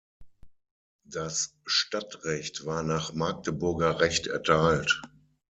Das Stadtrecht war nach Magdeburger Recht erteilt.